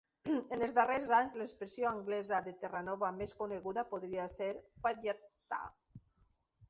En els darrers anys, l'expressió anglesa de Terranova més coneguda podria ser "Whadd'ya at?"